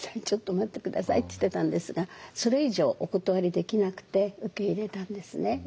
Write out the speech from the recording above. ちょっと待って下さい」って言ってたんですがそれ以上お断りできなくて受け入れたんですね。